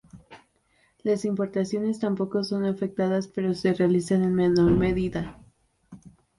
Las importaciones tampoco son afectadas pero se realizan en menor medida.